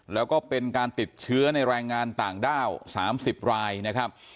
แล้วก็เป็นการติดเชื้อในแรงงานต่างด้าว๓๐รายนะครับ